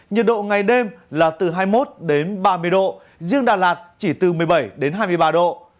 nhiệt độ ngày đêm là từ hai mươi một đến ba mươi độ riêng đà lạt chỉ từ một mươi bảy đến hai mươi ba độ